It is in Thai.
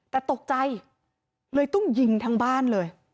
แต่ตกใจเลยต้องยิงทั้งบ้านเลย